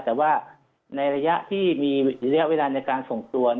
แต่ว่าในระยะที่มีระยะเวลาในการส่งตัว